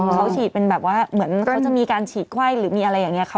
เขาฉีดเป็นแบบว่าเหมือนเขาจะมีการฉีดไข้หรือมีอะไรอย่างนี้